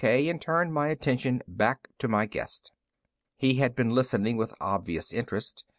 K., and turned my attention back to my guest. He had been listening with obvious interest.